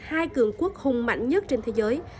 hai cường quốc hùng mạnh nhất trên thế giới